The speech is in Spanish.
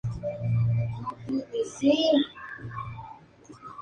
Es un problema frecuente en la población general.